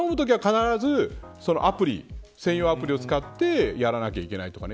つまり頼むときは必ず専用アプリを使ってやらないといけないとか。